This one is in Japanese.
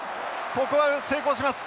ここは成功します。